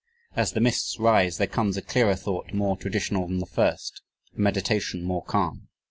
As the mists rise, there comes a clearer thought more traditional than the first, a meditation more calm.